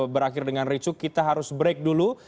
berakhir dengan ricu kita harus break dulu